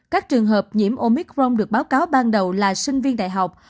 các trường hợp nhiễm omicron được báo cáo ban đầu là sinh viên đại học